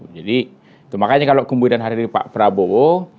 jadi makanya kalau kemudian hari ini pak prabowo